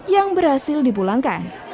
yang berhasil dipulangkan